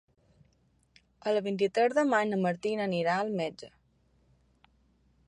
El vint-i-tres de maig na Martina irà al metge.